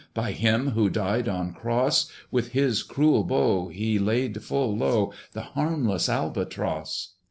By him who died on cross, With his cruel bow he laid full low, The harmless Albatross.